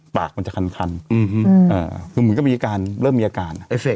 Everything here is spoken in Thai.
ปากมันจะคันคันเริ่มมีอาการ